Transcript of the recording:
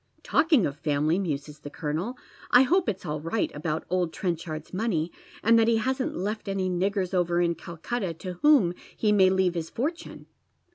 " Talking of family," muses the colonel, " I hope it's all right aboTit old IVenchard's money, and that ho hasn't left any niggera over in Calcutta to whom he may leave his fortune."